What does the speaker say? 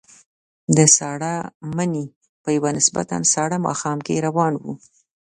د ساړه مني په یوه نسبتاً ساړه ماښام کې روان وو.